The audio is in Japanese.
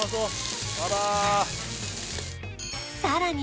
さらに